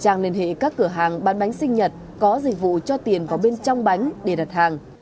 trang liên hệ các cửa hàng bán bánh sinh nhật có dịch vụ cho tiền vào bên trong bánh để đặt hàng